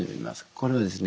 これはですね